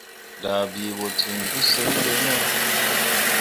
Dah bii ɓo ten pu siŋ di iŋ.